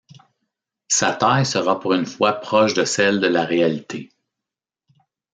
Sa taille sera pour une fois proche de celle de la réalité.